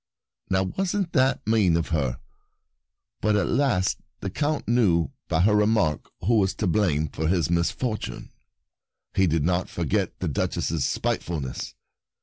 Now, wasn't that mean of her? But at last the Count knew by her remark who was to blame for his misfortune ; and he did not forget the Duchess's spitefulness.